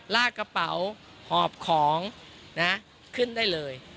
ลากกระเป๋าหอบของนะขึ้นได้เลย